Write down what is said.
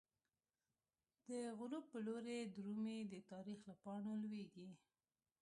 دغروب په لوری درومی، د تاریخ له پاڼو لویږی